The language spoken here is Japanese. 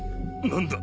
何だ？